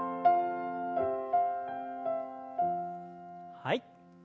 はい。